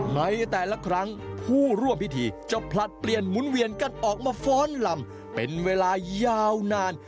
ในแต่ละครั้งผู้ร่วมพิธีจะผลัดเปลี่ยนหมุนเวียนกันออกมาฟ้อนลำเป็นเวลายาวนาน